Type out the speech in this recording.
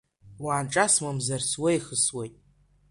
Уаанҿас мамзар суеихысуеит…